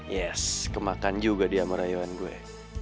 yes kemakan juga dia merayuan gue